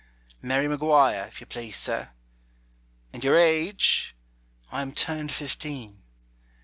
"Mary McGuire, if you please, sir." "And your age?" "I am turned fifteen."